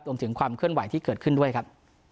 รวมถึงความเคลื่อนไหวที่เกิดขึ้นด้วยครับ